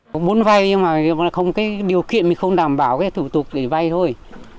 vâng vây nhưng mà không có điều kiện mình không đảm bảo cái thủ tục để vây thôi